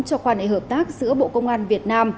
cho quan hệ hợp tác giữa bộ công an việt nam